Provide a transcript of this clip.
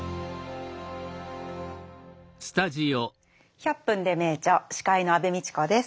「１００分ｄｅ名著」司会の安部みちこです。